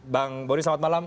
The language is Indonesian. bang boni selamat malam